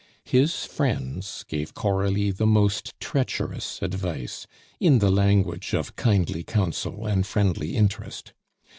His friends gave Coralie the most treacherous advice, in the language of kindly counsel and friendly interest.